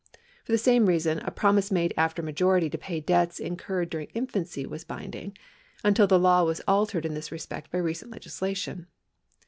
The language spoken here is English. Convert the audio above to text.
For the same reason, a promise made after majority to pay debts in curred during infancy was binding, until the law was altered in this respect by recent legislation.